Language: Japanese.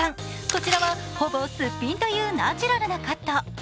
こちらは、ほぼすっぴんというナチュラルなカット。